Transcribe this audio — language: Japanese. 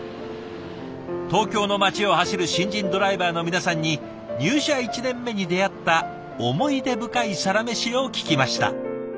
東京の街を走る新人ドライバーの皆さんに入社１年目に出会ったおもいで深いサラメシを聞きました。